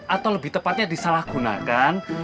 atau lebih tepatnya disalahgunakan